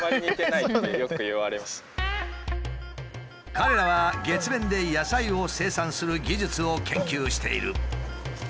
彼らは月面で野菜を生産する技術を研究している。